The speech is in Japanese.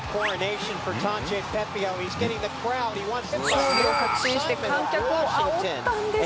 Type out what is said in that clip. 勝利を確信して観客をあおったんですが。